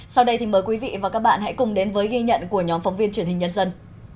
sau đây thì mời quý vị và các bạn hãy cùng đến với ghi nhận của nhóm phóng viên truyền hình nhân dân